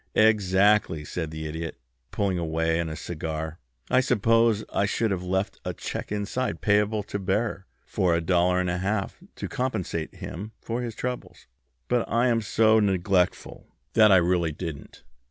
"Exactly," said the Idiot, pulling away on his cigar. "I suppose I should have left a check inside payable to bearer for a dollar and a half to compensate him for his trouble, but I am so neglectful that I really didn't."